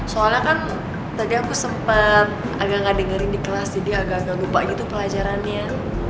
soalnya kan tadi aku sempat agak ngedengerin di kelas jadi agak agak lupa gitu pelajarannya